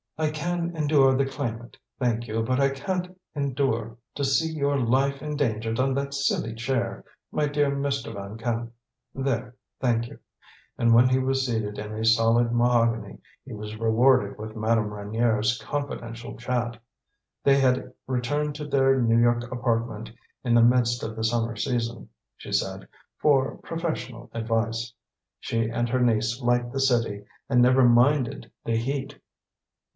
"I can endure the climate, thank you; but I can't endure to see your life endangered on that silly chair, my dear Mr. Van Camp. There thank you." And when he was seated in a solid mahogany, he was rewarded with Madame Reynier's confidential chat. They had returned to their New York apartment in the midst of the summer season, she said, "for professional advice." She and her niece liked the city and never minded the heat.